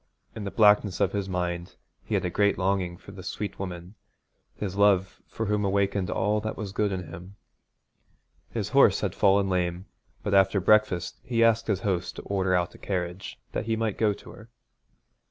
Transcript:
In the blackness of his mind he had a great longing for the sweet woman, his love for whom awakened all that was good in him. His horse had fallen lame, but after breakfast he asked his host to order out a carriage that he might go to her.